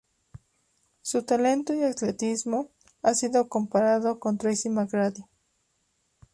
Su talento y atletismo ha sido comparado con Tracy McGrady.